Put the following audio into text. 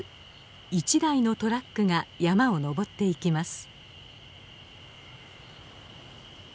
一台のトラックが山をのぼっていきます。